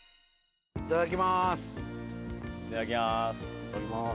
いただきます。